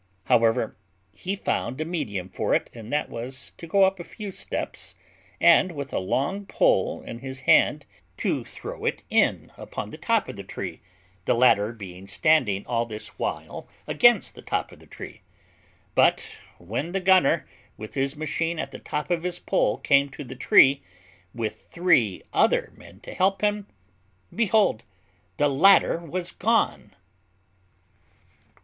However, he found a medium for it, and that was to go up a few steps, and, with a long pole in his hand, to throw it in upon the top of the tree, the ladder being standing all this while against the top of the tree; but when the gunner, with his machine at the top of his pole, came to the tree, with three other men to help him, behold the ladder was gone.